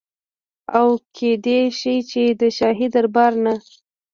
او کيدی شي چي د شاهي دربار نه